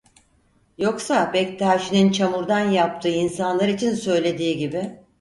Yoksa Bektaşi'nin çamurdan yaptığı insanlar için söylediği gibi: